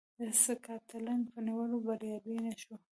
د سکاټلنډ په نیولو بریالی نه شو.